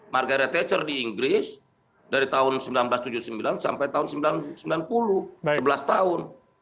margaret thatcher di inggris dari tahun seribu sembilan ratus tujuh puluh sembilan sampai tahun seribu sembilan ratus sembilan puluh sebelas tahun